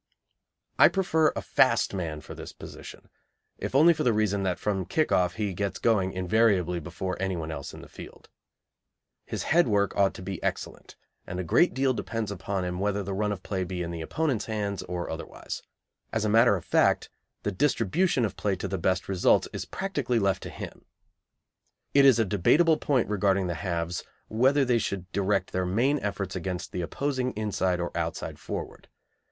I prefer a fast man for this position, if only for the reason that from the kick off he gets going invariably before anyone else in the field. His head work ought to be excellent, and a great deal depends upon him whether the run of play be in the opponents' hands or otherwise. As a matter of fact, the distribution of play to the best results is practically left to him. It is a debatable point regarding the halves whether they should direct their main efforts against the opposing inside or outside forward.